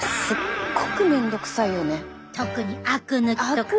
もう特にあく抜きとか。